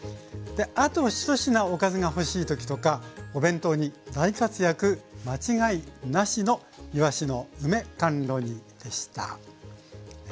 あと１品おかずが欲しい時とかお弁当に大活躍間違いなしのいわしの梅甘露煮でした。